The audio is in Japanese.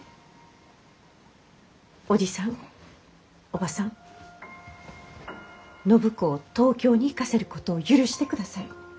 おばさん暢子を東京に行かせることを許してください。